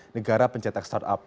negara pencetak startup